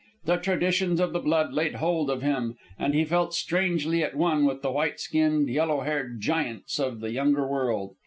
The traditions of the blood laid hold of him, and he felt strangely at one with the white skinned, yellow haired giants of the younger world.